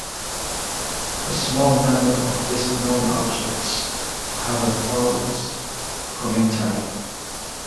A small number of the best known objects have a prose commentary.